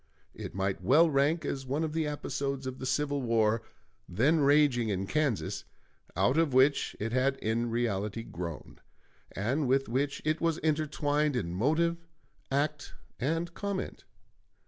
It might well rank as one of the episodes of the civil war then raging in Kansas, out of which it had in reality grown, and with which it was intertwined in motive, act, and comment.